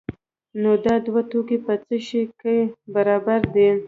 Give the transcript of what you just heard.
نو دا دوه توکي په څه شي کې برابر دي؟